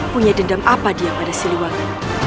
punya dendam apa dia pada sini wangi